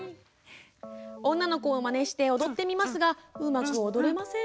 女の子をまねして踊ってみますがうまく踊れません。